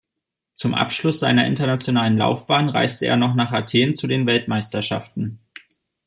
Zum Abschluss seiner internationalen Laufbahn reiste er noch nach Athen zu den Weltmeisterschaften.